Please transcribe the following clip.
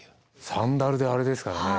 サンダルであれですからね。